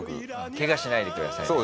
ケガしないでくださいみたいな。